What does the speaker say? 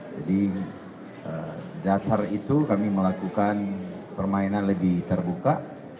jadi dasar itu kami melakukan permainan lebih terbuka